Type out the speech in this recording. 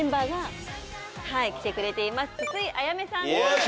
筒井あやめさんです。